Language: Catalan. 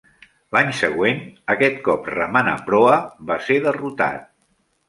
L'any següent, aquest cop remant a proa, va ser derrotat.